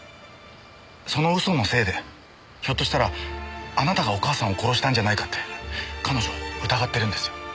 その嘘のせいでひょっとしたらあなたがお母さんを殺したんじゃないかって彼女疑ってるんですよ。